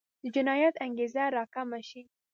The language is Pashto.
د جنایت انګېزه راکمه شي.